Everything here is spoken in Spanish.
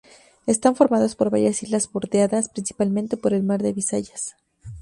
Están formadas por varias islas bordeadas, principalmente, por el mar de Bisayas.